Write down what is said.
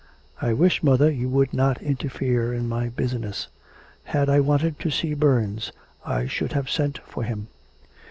'I wish, mother, you would not interfere in my business; had I wanted to see Burns I should have sent for him.'